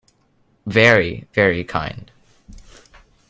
Very, very kind.